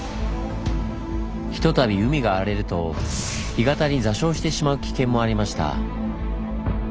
ひとたび海が荒れると干潟に座礁してしまう危険もありました。